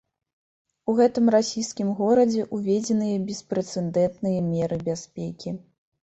У гэтым расійскім горадзе ўведзеныя беспрэцэдэнтныя меры бяспекі.